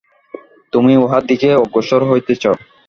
তুমি উহার দিকে অগ্রসর হইতেছ।